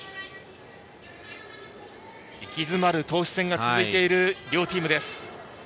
息詰まる投手戦が続いている両チームです。